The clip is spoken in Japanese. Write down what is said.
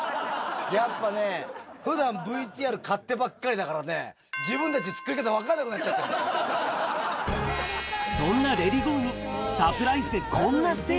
やっぱねぇ、ふだん、ＶＴＲ買ってばっかりだからねぇ、自分たちで作り方、分からなくなっちゃっそんなレリゴーに、サプライ氷？